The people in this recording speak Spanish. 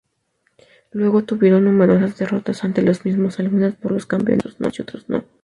Luego tuvieron numerosas derrotas ante los mismos, algunas por los campeonatos y otros no.